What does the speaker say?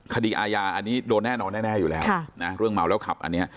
คดีอาญาอันนี้โดนแน่นอนแน่อยู่แล้วนะเรื่องเมาแล้วขับอันนี้